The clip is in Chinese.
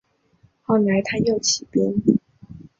后来他又起兵。